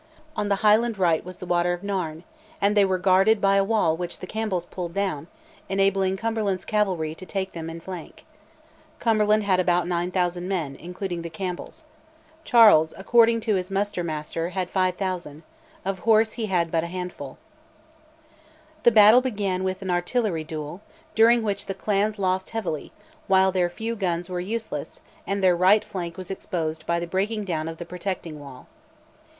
On the Highland right was the water of Nairn, and they were guarded by a wall which the Campbells pulled down, enabling Cumberland's cavalry to take them in flank. Cumberland had about 9000 men, including the Campbells. Charles, according to his muster master, had 5000; of horse he had but a handful. The battle began with an artillery duel, during which the clans lost heavily, while their few guns were useless, and their right flank was exposed by the breaking down of the protecting wall.